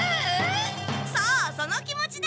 そうその気持ちだ！